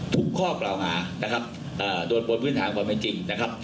ทุกข้อเกลาหาโดนโปรดพื้นฐานก่อนเป็นจริง